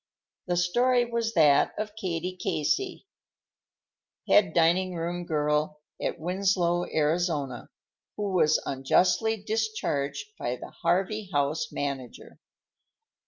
The story was that of Katie Casey, head diningroom girl at Winslow, Arizona, who was unjustly discharged by the Harvey House manager.